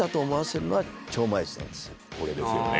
これですよね